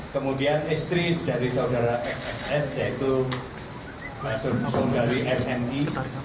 kemudian istri dari saudara xss yaitu pak sundari fmi